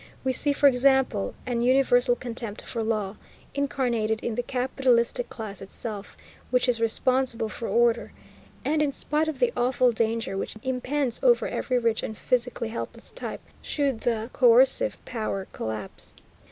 We see, for example, an universal contempt for law, incarnated in the capitalistic class itself, which is responsible for order, and in spite of the awful danger which impends over every rich and physically helpless type should the coercive power collapse.